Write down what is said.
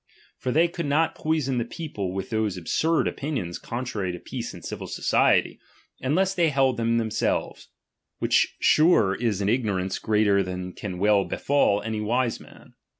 For they could not poison the ^H people with those absurd opinions contrary t" ' ^H peace and civil society, unless they held theiJ* ^H themselves ; which sure is an ignorance greate*^ ^H than can well befall any wise man.